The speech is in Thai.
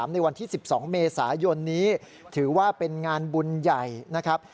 ในวันที่๑๒เมษายนนี้ถือว่าเป็นงานบุญใหญ่นะครับ